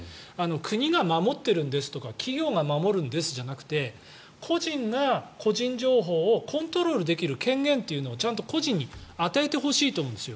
国が守っているんですとか企業が守るんですじゃなくて個人が個人情報をコントロールできる権限というのをちゃんと個人に与えてほしいと思うんですよ。